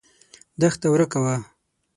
دښته ورکه وه.